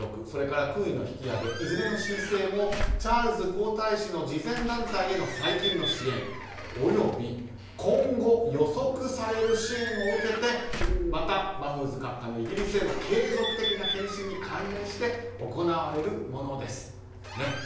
それから勲位の引き上げいずれの申請もチャールズ皇太子の慈善団体への最近の支援及び今後予測される支援を受けてまたマフーズ閣下のイギリスへの継続的な献身に関連して行われるものですと。